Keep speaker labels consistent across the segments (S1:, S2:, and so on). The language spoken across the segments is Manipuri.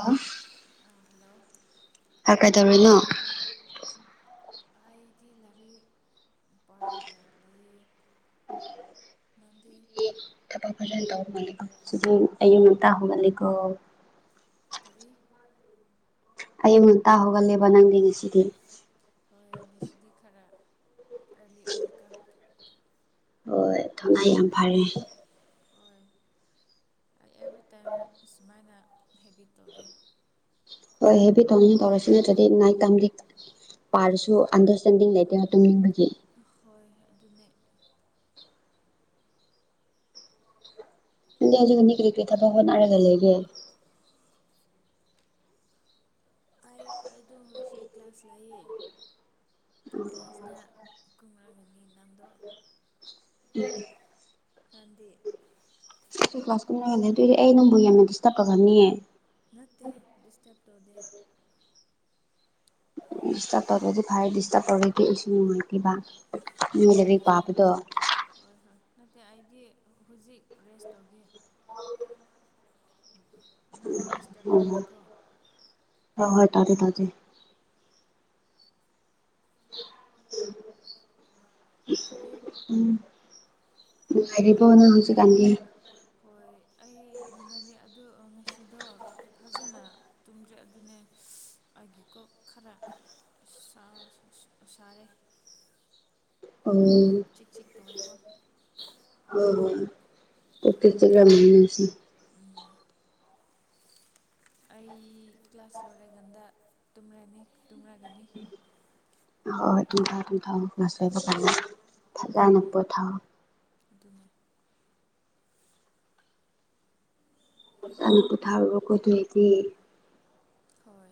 S1: ꯑꯝ
S2: ꯑꯥ ꯍꯜꯂꯣ
S1: ꯍꯥꯏ ꯀꯩꯇꯧꯔꯤꯅꯣ
S2: ꯑꯩꯗꯤ ꯂꯥꯏꯔꯤꯛ ꯄꯔꯒ ꯂꯩꯌꯦ ꯅꯪꯗꯤ
S1: ꯇꯧꯔꯃꯥꯂꯤꯀꯣ ꯑꯌꯨꯛꯉꯟꯇꯥ ꯍꯧꯒꯠꯂꯤꯀꯣ
S2: ꯀꯔꯤ
S1: ꯑꯌꯨꯛ ꯉꯟꯇꯥ ꯍꯧꯒꯠꯂꯦꯕ ꯅꯪꯗꯤ ꯉꯁꯤꯗꯤ
S2: ꯀꯂꯤ ꯑꯣꯏꯀꯣ
S1: ꯍꯣꯏ ꯊꯧꯅꯥ ꯌꯥꯝ ꯐꯔꯦ
S2: ꯍꯣꯏ ꯑꯩ ꯑꯦꯚ꯭ꯔꯤꯇꯥꯏꯝ ꯁꯨꯃꯥꯏꯅ ꯍꯦꯕꯤꯠ ꯇꯧꯒꯦ
S1: ꯍꯣꯏ ꯍꯦꯕꯤꯠ ꯇꯧꯅꯤꯉꯥꯢ ꯇꯧꯔꯁꯤ ꯅꯠꯇ꯭ꯔꯗꯤ ꯅꯥꯏꯠ ꯇꯥꯏꯝꯒꯤ ꯄꯔꯁꯨ ꯑꯟꯗꯔꯁꯇꯦꯟꯗꯤꯡ ꯂꯩꯇꯦ ꯇꯨꯝꯅꯤꯡꯕꯒꯤ
S2: ꯍꯣꯏ ꯑꯗꯨꯅꯦ
S1: ꯅꯪꯗꯤ ꯍꯧꯖꯤꯛ ꯀꯔꯤ ꯀꯔꯤ ꯊꯕꯛ ꯍꯣꯠꯅꯔꯒ ꯂꯩꯒꯦ
S2: ꯑꯩ ꯑꯗꯨꯝ ꯉꯁꯤ ꯀ꯭ꯂꯥꯁ ꯂꯩꯌꯦ ꯀ꯭ꯂꯥꯁꯗ ꯀꯨꯃꯥꯔꯤ ꯃꯦꯗꯥꯝꯗꯣ ꯃꯔꯝꯗꯤ
S1: ꯀ꯭ꯂꯥꯁ ꯀꯨꯏꯔꯗꯤ ꯑꯩ ꯅꯪꯕꯨ ꯌꯥꯝꯅ ꯗꯤꯁꯇꯔꯕ ꯇꯧꯔꯝꯅꯤꯌꯦ
S2: ꯅꯠꯇꯦ ꯗꯤꯁꯇꯔꯕ ꯇꯧꯗꯦ
S1: ꯗꯤꯁꯇ꯭ꯔꯕ ꯇꯧꯗ꯭ꯔꯗꯤ ꯐꯩ ꯗꯤꯁꯇ꯭ꯔꯕ ꯇꯧꯔꯗꯤ ꯑꯩꯁꯨ ꯅꯨꯉꯥꯢꯇꯦꯕ ꯎꯝ
S2: ꯍꯣꯏ
S1: ꯅꯪꯅ
S2: ꯍꯣꯏ
S1: ꯂꯥꯏꯔꯤꯛꯄꯥꯕꯗꯣ
S2: ꯗꯤꯁꯇꯔꯕ ꯍꯣꯏ ꯍꯣꯏ ꯅꯠꯇꯦ ꯑꯩꯗꯤ ꯍꯧꯖꯤꯛ ꯔꯦꯁ ꯇꯧꯒꯦ ꯅꯪ ꯗꯤꯁꯇꯔꯕ ꯇꯧꯗꯦꯀꯣ
S1: ꯍꯣ ꯍꯣꯏ ꯇꯥꯖꯦ ꯇꯥꯖꯦ
S2: ꯀꯔꯤ
S1: ꯎꯝ ꯅꯨꯉꯥꯢꯔꯤꯕꯣ ꯅꯪ ꯍꯧꯖꯤꯛꯀꯥꯟꯗꯤ
S2: ꯅꯨꯡꯉꯥꯢꯌꯦ ꯑꯗꯣ ꯉꯁꯤꯗꯣ ꯐꯖꯅ ꯇꯨꯝꯗ꯭ꯔꯦ ꯑꯗꯨꯅꯦ ꯑꯩꯒꯤ ꯀꯣꯛ ꯈꯔ ꯁꯥꯔꯦ
S1: ꯎꯝ
S2: ꯆꯤꯛ ꯆꯤꯛ ꯇꯧꯋꯦꯀꯣ
S1: ꯎꯝ ꯄꯨꯠꯇꯥ ꯆꯠꯂ ꯌꯦꯡꯁꯤ [unintelligible]
S2: ꯑꯩ ꯀ꯭ꯂꯥꯁ ꯂꯣꯏꯔꯀꯥꯟꯗ ꯇꯨꯝꯔꯅꯤ ꯇꯨꯝꯔꯒꯅꯤ
S1: ꯍꯣ ꯍꯣꯏ ꯇꯨꯝꯊꯣꯛꯑꯣ ꯇꯨꯝꯊꯣꯛꯑꯣ ꯉꯁꯥꯏ ꯕꯀꯥꯟꯗ ꯐꯖꯅ
S2: ꯍꯣꯏ
S1: ꯄꯣꯊꯥꯎ
S2: ꯑꯗꯨꯅꯦ [inaudible]
S1: ꯑꯃꯨꯛ ꯄꯣꯊꯥꯔꯨꯔꯣꯀꯣ ꯑꯗꯨ ꯑꯣꯢꯗꯤ
S2: ꯍꯣꯏ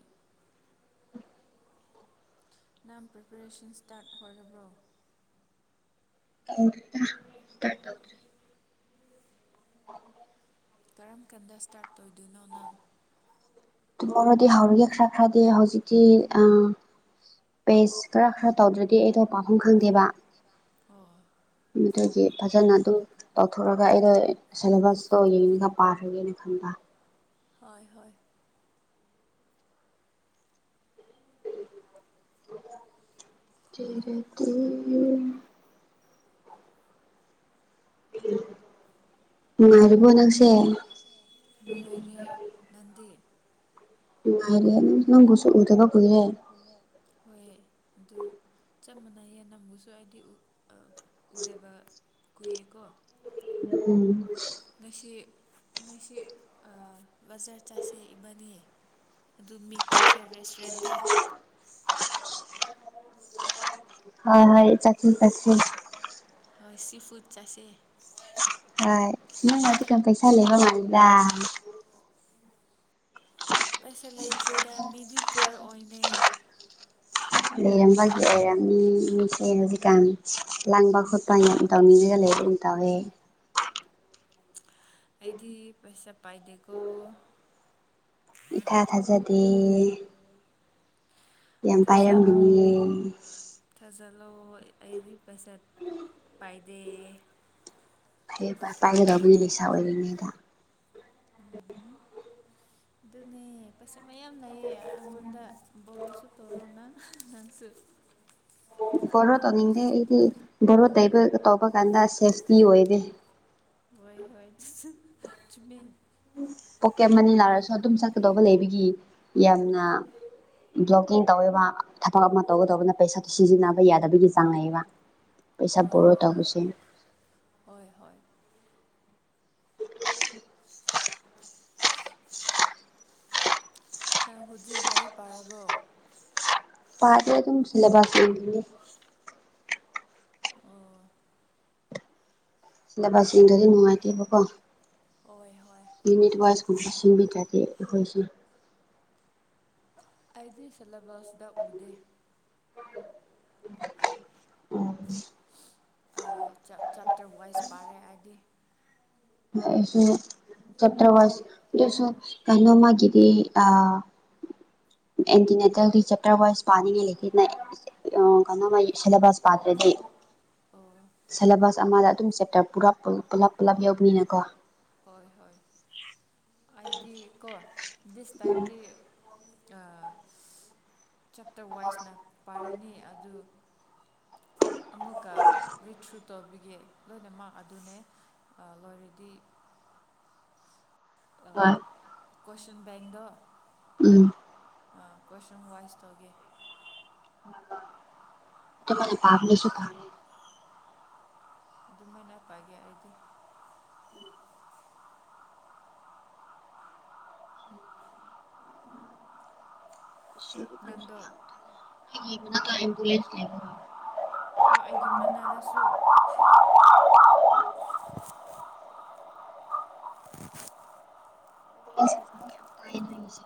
S2: ꯅꯪ ꯄ꯭ꯔꯤꯄꯦꯔꯦꯁꯟ ꯁ꯭ꯇꯥꯔꯠ ꯑꯣꯏꯔꯕ꯭ꯔꯣ
S1: ꯇꯧꯗꯦꯗ ꯁꯔꯗꯔꯤ [inaudible] [unintelligible] [inaudible]
S2: ꯀꯔꯝ ꯀꯥꯟꯗ ꯁ꯭ꯇꯥꯔꯠ ꯇꯧꯗꯣꯢꯅꯣ
S1: ꯗꯤ ꯍꯧꯔꯦ ꯈ꯭ꯔꯥ ꯈ꯭ꯔꯗꯤ ꯍꯧꯖꯤꯛꯇꯤ ꯑ [unintelligible] ꯄꯦꯁ ꯈꯔ ꯈꯔ ꯇꯧꯗ꯭ꯔꯗꯤ ꯑꯩꯗꯣ ꯄꯥꯐꯝ ꯈꯪꯗꯦꯕ
S2: ꯑꯣ
S1: ꯑꯗꯨꯒꯤ ꯐꯖꯅ ꯑꯗꯨꯝ ꯇꯧꯊꯣꯛꯑꯒ ꯑꯩꯗꯣ ꯁꯦꯂꯦꯕꯁꯇꯣ ꯌꯦꯡꯉꯒ ꯄꯥꯔꯒꯦꯅ ꯈꯟꯕ
S2: ꯍꯣꯏ ꯍꯣꯏ
S1: ꯆꯦꯔꯦꯇꯤ ꯅꯨꯉꯥꯏꯔꯤꯕꯣ ꯅꯪꯁꯦ ꯎꯝ [unintelligible]
S2: ꯅꯨꯡꯉꯥꯏꯔꯦ ꯅꯪꯗꯤ
S1: ꯅꯨꯉꯥꯢꯔꯤ
S2: ꯍꯥꯏꯗꯤ
S1: ꯅꯪꯕꯨꯁꯨ ꯎꯗꯕ
S2: ꯅꯪꯕꯨꯁꯨ
S1: ꯀꯨꯏꯔꯦ
S2: ꯎꯗꯕ ꯀꯨꯏꯔꯦ ꯍꯣꯏ ꯑꯗꯨ ꯆꯞ ꯃꯥꯟꯅꯩꯌꯦ ꯅꯪꯕꯨꯁꯨ ꯑꯩꯗꯤ ꯎꯗꯕ ꯀꯨꯏꯔꯦꯀꯣ
S1: ꯎꯝ
S2: ꯉꯁꯤ ꯉꯁꯤ ꯕꯖꯥꯔ ꯆꯠꯁꯦ ꯏꯕꯥꯅꯤ ꯑꯗꯨ ꯃꯤꯛ ꯇꯧꯁꯦ ꯔꯦꯁꯇꯨꯔꯦꯟꯗ
S1: ꯍꯣꯏ ꯍꯣꯏ ꯆꯥꯠꯁꯤ ꯆꯥꯠꯁꯤ
S2: ꯍꯣꯏ ꯁꯤ ꯐꯨꯠ ꯆꯥꯁꯦ
S1: ꯅꯪ ꯍꯧꯖꯤꯛꯀꯥꯟ ꯄꯩꯁꯥ ꯂꯩꯕ ꯃꯥꯜꯂꯤꯗ
S2: ꯄꯩꯁꯥ ꯂꯩꯇ꯭ꯔꯤꯗ ꯃꯤꯗꯤꯄꯨꯔꯛꯑꯣꯏꯅꯩ
S1: ꯂꯩꯔꯝꯕꯒꯤ ꯑꯣꯏꯔꯝꯅꯤ ꯃꯤꯁꯦ ꯍꯧꯖꯤꯛꯀꯥꯟ ꯂꯥꯡꯕ ꯈꯣꯠꯄ ꯌꯥꯝ ꯇꯧꯅꯤꯡꯉꯒ ꯂꯩ ꯒꯨꯝ ꯇꯧꯋꯦ
S2: ꯑꯩꯗꯤ ꯄꯩꯁꯥ ꯄꯥꯏꯗꯦꯀꯣ
S1: ꯏꯊꯥ ꯊꯥꯖꯗꯦ ꯌꯥꯝ ꯄꯥꯢꯔꯝꯒꯅꯤꯌꯦ
S2: ꯊꯥꯖꯤꯜꯂꯣ ꯑꯩꯗꯤ ꯄꯩꯁꯥ ꯄꯥꯏꯗꯦ
S1: ꯍꯦ ꯄꯥꯏꯒꯗꯧꯕꯅꯦ ꯂꯩꯩꯁꯥ ꯑꯣꯏꯔꯤꯉꯩꯗ
S2: ꯑꯗꯨꯅꯦ ꯄꯩ [unintelligible] ꯃꯌꯥꯝ ꯂꯩꯌꯦ ꯑꯩꯉꯣꯟꯗ ꯕꯣꯔꯣꯁꯨ ꯇꯣꯔꯣ ꯅ ꯅꯪꯁꯨ
S1: ꯕꯣꯔꯣ ꯇꯧꯅꯤꯡꯗꯦ ꯑꯩꯗꯤ ꯕꯣꯔꯣ ꯇꯩꯕ ꯇꯧꯕ ꯀꯥꯟꯗ ꯁꯦꯐꯇꯤ ꯑꯣꯏꯗꯦ
S2: ꯍꯣꯏ ꯍꯣꯏ ꯑꯗꯨꯁꯨ ꯆꯨꯝꯃꯦ
S1: ꯄꯣꯀꯦꯠ ꯃꯅꯤ ꯂꯥꯛꯔꯁꯨ ꯑꯗꯨꯝ ꯆꯠꯀꯗꯧꯕ ꯂꯩꯕꯒꯤ ꯌꯥꯝꯅ ꯕ꯭ꯂꯣꯀꯤꯡ ꯇꯧꯋꯦꯕ ꯊꯕꯛ ꯑꯃ ꯇꯧꯒꯗꯧꯕꯅ ꯄꯩꯁꯥꯗꯨ ꯁꯤꯖꯤꯟꯅꯕ ꯌꯥꯗꯕꯒꯤ ꯆꯥꯡ ꯂꯩꯌꯦꯕ ꯄꯩꯁꯥ
S2: ꯍꯣꯏ
S1: ꯕꯣꯔꯣ
S2: ꯍꯣꯏ
S1: ꯇꯧꯕꯁꯨ
S2: ꯍꯣꯏ ꯍꯣꯏ
S1: [inaudible]
S2: ꯅꯪ ꯍꯨꯖꯤꯛ ꯂꯩꯏꯔꯤꯛ ꯄꯥꯔꯕꯣ
S1: ꯄꯥꯗꯦ ꯑꯗꯨꯝ ꯁꯤꯂꯦꯕꯁ ꯌꯦꯡꯕꯅꯦ
S2: ꯑꯣ
S1: ꯁꯤꯂꯦꯕꯁ ꯌꯦꯡꯗ꯭ꯔꯗꯤ ꯅꯨꯡꯉꯥꯏꯇꯦꯕꯀꯣ
S2: ꯍꯣꯏ ꯍꯣꯏ
S1: ꯎꯅꯤꯠ ꯋꯥꯁ ꯀꯨꯝꯕꯁꯦ ꯌꯦꯡꯕꯤꯗ꯭ꯔꯗꯤ ꯑꯈꯣꯢꯁꯨ
S2: ꯑꯩꯗꯤ ꯁꯤꯂꯦꯕꯁꯇ ꯎꯗꯦ
S1: ꯎꯝ
S2: ꯑꯥ ꯆꯦꯞꯇꯔ ꯋꯥꯏꯁ ꯄꯥꯔꯦ ꯑꯩꯗꯤ
S1: ꯑꯩꯁꯨ ꯆꯦꯞꯇ꯭ꯔ ꯋꯥꯁ ꯗꯨꯁꯨ ꯀꯩꯅꯣꯃꯒꯤꯗꯤ ꯑꯥ ꯑꯦꯟꯇꯤꯅꯦꯇꯜꯗꯤ ꯆꯦꯞꯇꯔ ꯋꯥꯏ ꯄꯥꯅꯤꯡꯢ ꯂꯩꯇꯦꯅ ꯑꯥ ꯀꯅꯥ ꯃꯥꯏ ꯁꯤꯂꯦꯕꯁ ꯄꯥꯇ꯭ꯔꯗꯤ
S2: ꯑꯣ
S1: ꯁꯦꯂꯦꯕꯁ ꯑꯃꯗ ꯑꯗꯨꯝ ꯆꯦꯞꯇꯔ ꯄꯨꯔꯞ ꯄꯨꯂꯞ ꯄꯨꯂꯞ ꯌꯧ
S2: ꯍꯣꯏ ꯍꯣꯏ ꯑꯩꯥꯗꯤ ꯀꯣ ꯗꯤꯁ
S1: ꯎꯝ
S2: ꯇꯥꯏꯝꯗꯤ ꯑꯥ ꯆꯦꯞꯇꯔ ꯋꯥꯏꯁꯅ ꯄꯥꯏꯔꯅꯤ ꯑꯗꯨ ꯑꯃꯨꯛꯀ ꯔꯤꯊ꯭ꯔꯨꯇꯧꯕꯤ ꯌꯦ ꯂꯣꯏꯅꯃꯛ ꯑꯗꯨꯅꯦ ꯑꯥ ꯂꯣꯏꯔꯗꯤ
S1: ꯍꯣꯏ
S2: ꯀꯣꯢꯁꯟ ꯕꯦꯡꯗꯣ
S1: ꯎꯝ
S2: ꯑꯥ ꯀꯣꯏꯁꯟ ꯋꯥꯏꯁ ꯇꯧꯒꯦ
S1: ꯑꯗꯨꯃꯥꯢꯅ ꯄꯥꯕꯅꯁꯨ ꯐꯔꯦ
S2: ꯑꯗꯨꯃꯥꯏꯅ ꯄꯥꯏꯒꯦ ꯑꯩꯗꯤ ꯅꯪꯗꯣ
S1: [unintelligible]
S2: ꯍꯣꯏ ꯑꯩꯒꯤ ꯃꯅꯥꯗꯁꯨ
S1: ꯏꯁ ꯀꯩꯝ ꯇꯥꯢ ꯅꯣꯢꯒꯤꯁꯦ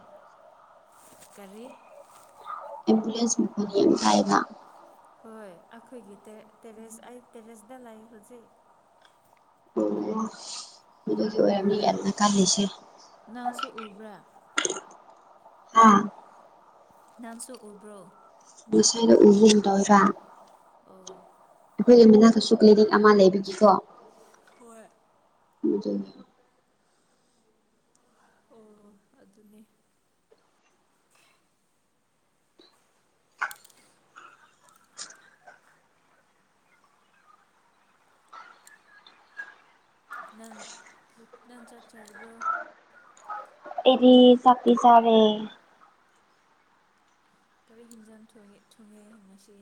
S2: ꯀꯔꯤ
S1: ꯑꯦꯝꯕꯨꯂꯦꯟꯁ ꯃꯈꯣꯜ ꯌꯥꯝ ꯇꯥꯢꯑꯦꯕ
S2: ꯍꯣꯏ ꯑꯩꯈꯣꯏꯒꯤ ꯇꯦꯔꯦꯁ ꯑꯩ ꯇꯦꯔꯦꯁꯗ ꯂꯩ ꯍꯨꯖꯤꯛ
S1: ꯑꯣ ꯃꯗꯨꯗꯤ ꯑꯣꯢꯔꯝꯅꯤ
S2: ꯍꯣꯏ
S1: ꯌꯥꯝꯅ ꯇꯥꯅꯩꯁꯦ
S2: ꯅꯪꯁꯨ ꯎꯕ꯭ꯔꯥ
S1: ꯍꯥꯥ
S2: ꯅꯪꯁꯨ ꯎꯕ꯭ꯔꯣ
S1: ꯉꯁꯥꯏꯅ ꯎꯈꯤꯒꯨꯝ ꯇꯧꯋꯦꯕ
S2: ꯑꯣ
S1: ꯑꯩꯈꯣꯏꯒꯤ ꯃꯅꯥꯛꯇꯁꯨ ꯀ꯭ꯂꯤꯅꯤꯛ ꯑꯃ ꯂꯩꯕꯒꯤꯀꯣ
S2: ꯍꯣꯏ
S1: ꯑꯗꯨꯅꯦ
S2: ꯑꯣ ꯑꯗꯨꯅꯦ ꯅꯪ ꯅꯟ ꯆꯥꯛ ꯆꯥꯔꯕ꯭ꯔꯣ
S1: ꯑꯩꯗꯤ ꯆꯥꯛꯇꯤ ꯆꯥꯔꯦ
S2: ꯀꯔꯤ ꯍꯤꯡꯖꯥꯡ ꯊꯣꯡꯉꯦ ꯊꯣꯡꯉꯦ ꯉꯁꯤ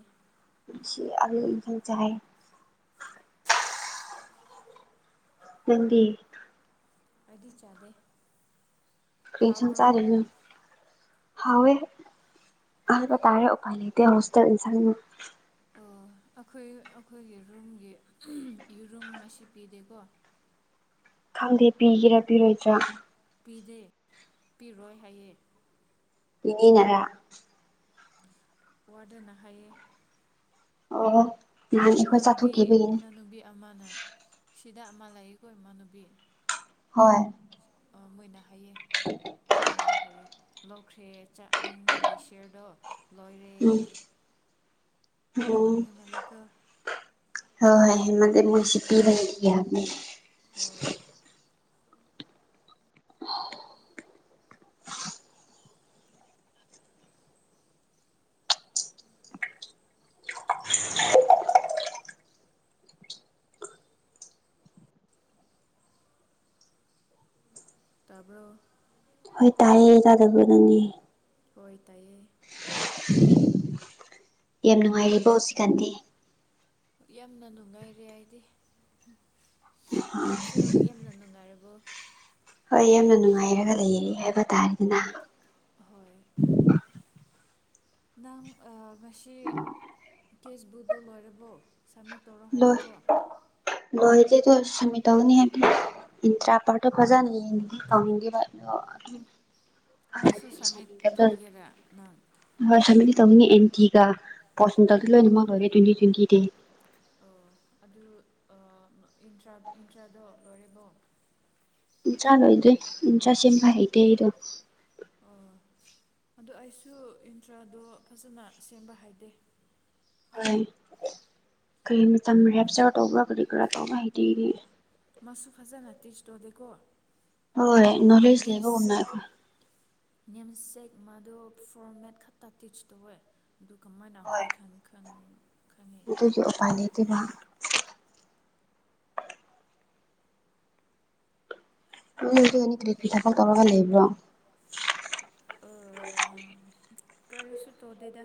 S1: ꯉꯁꯤ ꯑꯂꯨ ꯏꯟꯖꯥꯡ ꯆꯥꯏ ꯅꯪꯗꯤ
S2: ꯑꯩꯗꯤ ꯆꯥꯗꯦ
S1: ꯀꯔꯤ ꯏꯟꯁꯥꯡ
S2: ꯍꯥꯎꯕ꯭ꯔꯣ
S1: ꯆꯥꯔꯤꯅꯣ ꯍꯥꯎꯋꯦ ꯍꯥꯢꯕ ꯇꯥꯔꯦ ꯎꯄꯥꯏ ꯂꯩꯇꯦ ꯍꯣꯁꯇꯦꯜ ꯏꯟꯁꯥꯡ
S2: ꯑꯣ ꯑꯩꯈꯣꯏ ꯑꯩꯈꯣꯏꯒꯤ ꯔꯨꯝꯒꯤ ꯌꯦꯔꯨꯝ ꯉꯁꯤ ꯄꯤꯗꯦꯀꯣ
S1: ꯈꯪꯗꯦ ꯄꯤꯒꯦꯔꯥ ꯄꯤꯔꯣꯏꯗ꯭ꯔꯥ
S2: ꯄꯤꯗꯦ ꯄꯤꯔꯣꯏ ꯍꯥꯏꯌꯦ
S1: ꯅꯤꯅꯦꯅꯔꯥ
S2: ꯋꯥꯔꯗꯦꯟꯅ ꯍꯥꯏꯌꯦ
S1: ꯑꯣ ꯅꯍꯥꯟ ꯑꯩꯈꯣꯏ
S2: ꯏꯃꯥꯟꯅꯕꯤ
S1: ꯆꯥꯊꯣꯛꯈꯤꯕꯒꯤꯅꯤ
S2: ꯏꯃꯥꯟꯅꯕꯤ ꯑꯃꯅ ꯁꯤꯗ ꯑꯃ ꯂꯩꯀꯣ ꯏꯃꯥꯟꯅꯕꯤ
S1: ꯍꯣꯏ
S2: ꯍꯥꯏꯑꯦ ꯄꯤꯔꯣꯏ ꯍꯥꯏꯌꯦ ꯂꯧꯈ꯭ꯔꯦ ꯆꯥꯛ ꯃꯣꯏꯒꯤ ꯁꯤꯌꯔꯗꯣ ꯂꯣꯏ
S1: ꯎꯝ
S2: ꯍꯦꯟꯃꯜꯂꯦꯀꯣ
S1: ꯍꯣꯢ ꯍꯦꯟꯃꯜꯂꯦ ꯃꯣꯢ ꯁꯤ ꯄꯤꯕ ꯌꯥꯕꯅꯦ
S2: ꯍꯣꯏ ꯇꯥꯕ꯭ꯔꯣ
S1: ꯍꯣꯏ ꯇꯥꯏꯌꯦ ꯇꯥꯗꯕ꯭ꯔꯣ ꯅꯪꯗꯤ
S2: ꯍꯣꯏ ꯇꯥꯏꯌꯦ
S1: ꯌꯥꯝ ꯅꯨꯡꯉꯥꯏꯔꯤꯕꯣ ꯍꯧꯁꯤꯀꯥꯟꯗꯤ
S2: ꯌꯥꯝꯅ ꯅꯨꯡꯉꯥꯏꯔꯦ ꯑꯩꯗꯤ ꯅꯪꯁꯨ ꯌꯥꯝꯅ ꯅꯨꯡꯉꯥꯏꯔꯕꯣ
S1: ꯍꯣꯏ ꯌꯥꯝꯅ ꯅꯨꯡꯉꯥꯏꯔꯒ ꯂꯩꯔꯦ ꯍꯥꯏꯕ ꯇꯥꯔꯦꯗꯅ
S2: ꯍꯣꯏ ꯅꯪ ꯑ ꯉꯁꯤ ꯀꯦꯁꯕꯨꯛꯇꯣ ꯂꯣꯏꯔꯕꯣ ꯁꯝꯃꯤꯠ ꯇꯧꯔꯣ
S1: ꯂꯣꯢ
S2: ꯍꯥꯏꯌꯦꯀꯣ
S1: ꯂꯣꯏꯗꯦꯗꯣ ꯁꯃꯤꯠ ꯇꯧꯅꯤ ꯍꯥꯏꯕꯅꯦ ꯏꯠꯇ꯭ꯔꯥꯄꯥꯔꯠꯇꯣ ꯐꯖꯅ ꯌꯦꯡꯗꯗꯤ ꯇꯧꯅꯤꯡꯗꯦꯕ ꯗꯣ
S2: ꯑꯗꯨꯁꯨ ꯁꯝꯃꯤꯠ ꯇꯧꯒꯦꯔꯥ ꯅꯪ
S1: ꯍꯣꯢ ꯁꯃꯤꯠꯇꯤ ꯇꯧꯅꯤꯡꯉꯦ ꯑꯦꯝꯇꯤꯒ [unintelligible] ꯂꯣꯏꯅꯃꯛ ꯂꯣꯏꯔꯦ ꯇ꯭ꯋꯦꯟꯇꯤ ꯇ꯭ꯋꯦꯟꯇꯤꯗꯒꯤ
S2: ꯑꯣ ꯑꯗꯨ ꯑ ꯏꯟꯇ꯭ꯔꯥ ꯏꯟꯇ꯭ꯔꯥꯗꯣ ꯂꯣꯏꯔꯦꯕꯣ
S1: ꯏꯟꯇ꯭ꯔꯥ ꯂꯣꯢꯗ꯭ꯔꯤ ꯏꯟꯇ꯭ꯔꯥ ꯁꯦꯝꯕ ꯍꯩꯇꯦ ꯑꯩꯗꯣ
S2: ꯑꯣ ꯑꯗꯨ ꯑꯩ ꯁꯨ ꯏꯟꯇ꯭ꯔꯥꯗꯣ ꯐꯖꯅ ꯁꯦꯝꯕ ꯍꯥꯏꯗꯦ
S1: ꯍꯣꯏ ꯀꯩ ꯃꯇꯝ ꯔꯦꯞꯆꯔ ꯇꯧꯕ꯭ꯔꯥ ꯀꯔꯤ ꯀꯔꯥ ꯇꯧꯕ ꯍꯩꯇꯦ ꯑꯩꯗꯤ
S2: ꯃꯥꯁꯨ ꯐꯖꯅ ꯇꯤꯠꯁ ꯇꯣꯗꯦꯀꯣ
S1: ꯍꯣꯏ ꯅꯣꯂꯦꯖ ꯂꯩꯕꯒꯨꯝꯅ ꯑꯩꯈꯣꯏ
S2: ꯅꯤꯝ ꯆꯦꯛ ꯃꯥꯗꯨ ꯐꯣꯔꯃꯦꯠ ꯈꯛꯇ ꯇꯤꯆ ꯇꯧꯋꯦ ꯑꯗꯨ ꯀꯃꯥꯥꯏꯅ ꯑꯩꯈꯣꯏ ꯈꯪ ꯈꯪ ꯈꯪꯉꯤ
S1: ꯑꯗꯨꯗꯤ ꯎꯄꯥꯢ ꯂꯩꯇꯦꯕ ꯅꯣꯢꯗꯤ ꯑꯅꯤ ꯇꯔꯦꯠꯀꯤ ꯊꯕꯛ ꯇꯧꯔꯒ ꯂꯩꯕ꯭ꯔꯣ
S2: ꯑꯑ ꯀꯔꯤꯁꯨ ꯇꯧꯗꯦꯗ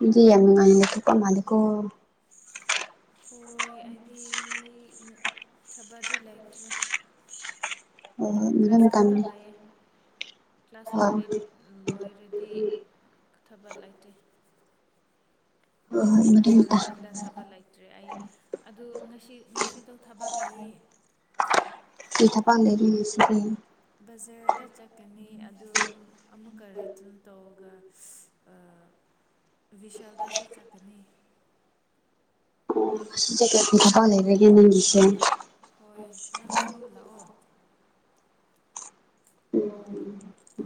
S1: ꯃꯤꯗꯤ ꯌꯥꯝ ꯅꯨꯉꯥꯢꯅ ꯂꯩꯊꯣꯛꯄ ꯃꯥꯜꯂꯦꯀꯣ [inaudible]
S2: ꯊꯕꯥꯗꯤ ꯂꯩꯇ꯭ꯔꯦ
S1: ꯑꯣ
S2: ꯀ꯭ꯂꯥꯁ
S1: ꯗꯨꯗꯃꯨꯛ
S2: ꯈꯛꯇ
S1: ꯇꯝꯃꯦ
S2: ꯂꯩꯌꯦ ꯀ꯭ꯂꯥꯁ ꯂꯣꯢꯔꯦ ꯂꯣꯏꯔꯗꯤ ꯊꯕꯛ ꯂꯩꯇꯦ
S1: ꯍꯣꯏ ꯍꯣꯏ ꯃꯗꯨ
S2: ꯀ꯭ꯂꯥꯁ
S1: ꯃꯇꯥ
S2: ꯂꯣꯏꯔꯀꯥꯟꯗ ꯊꯥꯕꯛ ꯂꯩꯇ꯭ꯔꯦ ꯑꯩ ꯑꯗꯨ ꯉꯁꯤ ꯉꯁꯤꯗꯣ ꯊꯥꯕꯛ ꯂꯩꯌꯦꯦ
S1: ꯀꯩ ꯊ [unintelligible]
S2: ꯕꯖꯥꯔꯗ ꯆꯠꯀꯅꯤ ꯑꯗꯨ ꯑꯃꯨꯛꯀ ꯔꯤꯇ꯭ꯔꯟ ꯇꯧꯔꯒ ꯑꯥ ꯚꯤꯁꯥꯜꯗꯁꯨ ꯆꯠꯀꯅꯤ
S1: ꯑꯣ [unintelligible] ꯄ꯭ꯔꯤꯟꯁꯤꯄꯥꯜ ꯂꯩꯕꯒꯤꯔ ꯅꯪꯒꯤꯁꯦ
S2: ꯍꯣꯏ ꯅꯪꯁꯨ ꯂꯥꯛꯑꯣ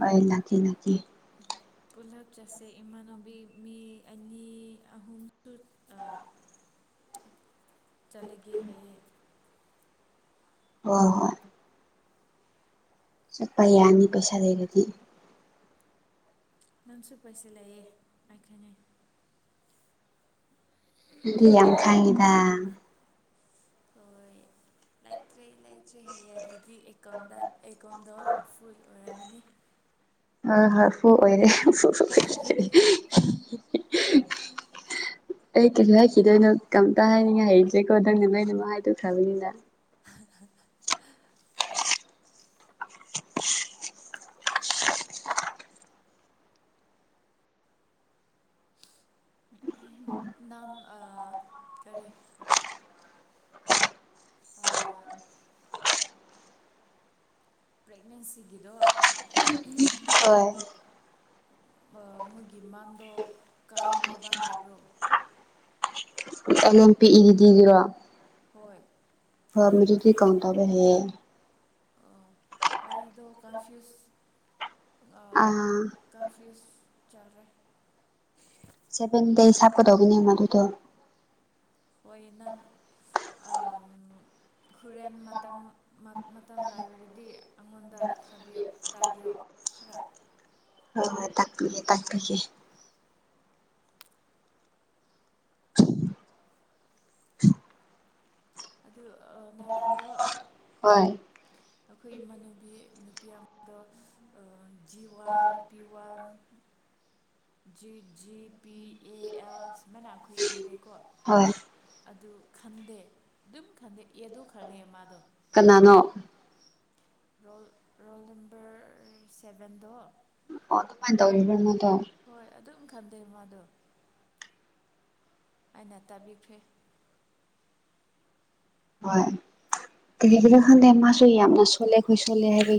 S1: ꯑꯥꯢ ꯅꯠꯇꯦ ꯅꯠꯇꯦ
S2: ꯄꯨꯂꯞ ꯆꯠꯁꯦ ꯏꯃꯥꯟꯅꯨꯕꯤ ꯃꯤ ꯑꯅꯤ ꯑꯍꯨꯝꯁꯨ ꯑꯥ ꯆꯠꯂꯒꯦ ꯍꯥꯏꯌꯦ
S1: ꯍꯣꯏ ꯍꯣꯏ ꯆꯠꯄ ꯌꯥꯅꯤ ꯄꯩꯁꯥ ꯂꯩꯔꯗꯤ
S2: ꯅꯪꯁꯨ ꯄꯩꯁꯥ ꯂꯩꯑꯦ ꯑꯩ ꯈꯪꯉꯦ
S1: ꯑꯗꯨꯗꯤ ꯌꯥꯝ ꯈꯪꯉꯤꯗ
S2: ꯍꯣꯏ ꯂꯩꯇ꯭ꯔꯦ ꯂꯩꯇ꯭ꯔꯦ ꯍꯥꯢꯌꯦ ꯑꯗꯨꯗꯤ ꯑꯦꯀꯝꯗ ꯑꯦꯀꯣꯟꯗꯣ ꯐꯨꯜ ꯑꯣꯏꯔꯝꯃꯅꯤ
S1: ꯑꯥ ꯍꯣꯏ ꯐꯨꯜ ꯑꯣꯏꯔꯦ ꯁꯨꯁꯨꯍꯤꯍꯤꯍ ꯑꯩ ꯀꯩꯁꯨ ꯍꯥꯏꯈꯤꯗꯣꯏꯅꯣ ꯀꯝꯇ ꯍꯥꯏꯅꯤꯡꯉꯥꯏ ꯍꯩꯇ꯭ꯔꯦꯀꯣ ꯅꯪꯅ ꯂꯣꯢꯅꯃꯛ ꯍꯥꯏꯗꯣꯛꯈ꯭ꯔꯕꯅꯤꯅ
S2: ꯍꯥꯍꯥꯍꯥ
S1: [inaudible]
S2: ꯅꯝ ꯑꯥ ꯀꯔꯤ ꯑꯥ ꯄ꯭ꯔꯦꯛꯅꯦꯟꯁꯤꯒꯤꯗꯣ ꯑꯍꯝ ꯑꯍꯝ
S1: ꯍꯣꯏ
S2: ꯑꯥ ꯃꯣꯏꯒꯤ ꯃꯥꯟꯗꯣ ꯀꯥꯎꯟ ꯇꯧꯕ ꯍꯥꯏꯕ꯭ꯔꯣ
S1: ꯑꯦꯜ ꯑꯦꯝ ꯄꯤ ꯏꯒꯤꯗꯤꯒꯤꯔꯣ
S2: ꯍꯣꯏ
S1: ꯍꯣꯢ ꯃꯗꯨꯗꯤ ꯀꯥꯎꯟ ꯇꯧꯌꯦ ꯍꯥꯢꯌꯦ
S2: ꯑꯣ ꯑꯩꯗꯣ ꯀꯟꯐ꯭ꯌꯨꯁ ꯑꯥ ꯀꯟꯐ꯭ꯌꯨꯁ ꯆꯜꯔꯦ
S1: ꯁꯚꯦꯟ ꯗꯦꯖ ꯍꯥꯞꯀꯗꯧꯕꯅꯦ ꯃꯗꯨꯗꯣ
S2: ꯍꯣꯏ ꯅꯪ ꯑꯥ ꯍꯨꯔꯦꯟ ꯃꯇꯝ ꯃꯇꯝ ꯂꯩꯔꯗꯤ ꯑꯩꯉꯣꯟꯗ ꯊꯥꯕꯤꯌꯣ ꯇꯥꯕꯤꯌꯣ ꯈꯔꯥ
S1: ꯍꯣꯏ ꯍꯣꯏ ꯇꯥꯛꯄꯤꯒꯦ ꯇꯥꯛꯄꯤꯒꯦ
S2: ꯑꯗꯨ ꯥꯑ ꯅꯔꯟꯗꯣ
S1: ꯍꯣꯏ
S2: ꯑꯩꯈꯣꯏ ꯏꯃꯥꯟꯅꯨꯕꯤ ꯅꯨꯄꯤ ꯑꯃꯗꯣ ꯑꯥ G one P one
S1: [inaudible]
S2: G G P A L ꯁꯨꯃꯥꯏꯅ ꯑꯩꯈꯣꯏ ꯏꯔꯦꯀꯣ
S1: ꯍꯣꯏ
S2: ꯑꯗꯨ ꯇꯪꯗꯦ ꯑꯗꯨꯝ ꯈꯪꯉꯛꯏ ꯃꯗꯣ
S1: ꯀꯅꯥꯅꯣ
S2: ꯔꯣꯜ ꯔꯣꯜ ꯅꯝꯕꯔ ꯁꯚꯦꯟꯗꯣ
S1: ꯑꯣ ꯀꯝꯥꯏ ꯇꯧꯔꯤꯕꯅꯣ ꯑꯗꯣ
S2: ꯊꯟꯗꯦ ꯃꯥꯗꯣ ꯑꯩꯅ ꯇꯥꯕꯤꯈ꯭ꯔꯦ
S1: ꯍꯣꯏ ꯀꯔꯤꯒꯤꯔ ꯈꯪꯗꯦ ꯃꯥꯁꯨ ꯌꯥꯝꯅ ꯁꯣꯜꯂꯦ ꯑꯩꯈꯣꯏ ꯁꯣꯜꯂꯦ ꯍꯥꯏꯕꯤ